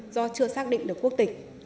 do chưa xác định được quốc tịch